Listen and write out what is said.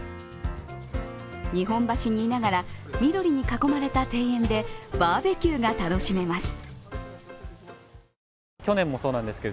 日本橋にいながら緑に囲まれた庭園でバーベキューが楽しめます。